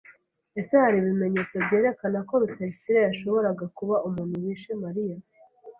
Ese hari ibimenyetso byerekana ko Rutayisire yashoboraga kuba umuntu wishe Mariya?